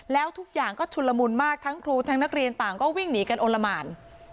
แล้วทุกอย่างก็ชุนละมุนมากทั้งครูทั้งนักเรียนต่างก็วิ่งหนีกันโอละหมาน